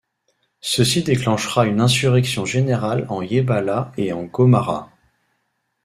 Ceci déclenchera une insurrection générale en Yebala et en Gomara.